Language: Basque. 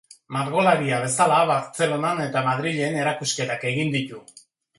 Margolaria bezala Bartzelonan eta Madrilen erakusketak egin ditu.